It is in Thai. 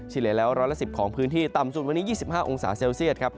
เลียแล้วร้อยละ๑๐ของพื้นที่ต่ำสุดวันนี้๒๕องศาเซลเซียตครับ